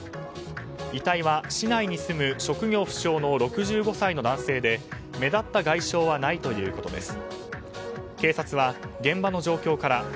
遺体は市内に住む職業不詳の６５歳の男性で目立った外傷はないということです。